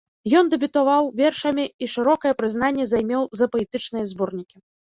Ён дэбютаваў вершамі і шырокае прызнанне займеў за паэтычныя зборнікі.